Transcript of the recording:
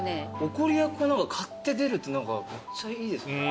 怒り役を買って出るってめっちゃいいですね。